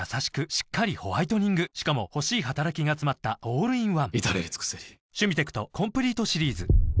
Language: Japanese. しっかりホワイトニングしかも欲しい働きがつまったオールインワン至れり尽せりいってらっしゃい！